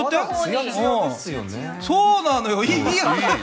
そうなのよ。